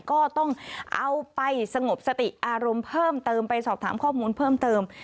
ก็ต้องเอาไปสงบสติอารมณ์เพิ่มเติมไปสอบถามข้อมูลเพิ่มเติม